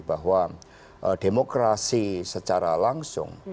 bahwa demokrasi secara langsung